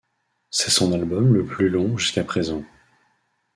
C'est son album le plus long jusqu'à présent.